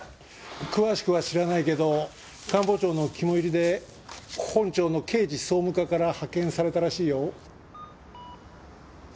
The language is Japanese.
詳しくは知らないけど官房長の肝煎りで本庁の刑事総務課から派遣されたらしいよ。